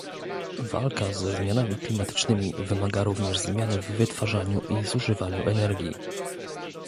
Walka ze zmianami klimatycznymi wymaga również zmiany w wytwarzaniu i zużywaniu energii